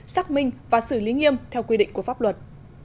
xác minh và xử lý nghiêm theo quy định của pháp luật